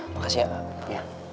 makasih ya pak